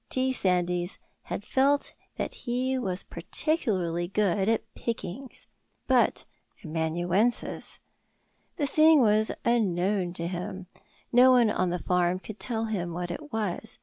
T. Sandys had felt that he was particularly good at pickings. But amanuensis? The thing was unknown to him; no one on the farm could tell him what it was.